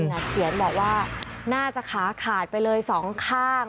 เขียนบอกว่าน่าจะขาขาดไปเลยสองข้าง